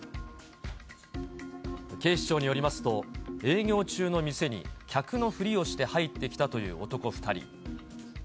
警視庁によりますと、営業中の店に客のふりをして入ってきたという男２人。